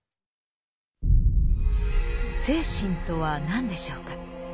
「精神」とは何でしょうか？